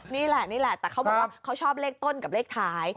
นี่แหละตะเขาบอกว่าเขาชอบเลขต้นกับเท้า